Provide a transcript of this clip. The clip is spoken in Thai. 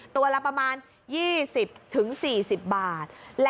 ตัวละประมาณ๒๐๔๐บาท